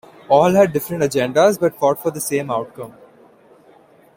All had different agendas but fought for the same outcome.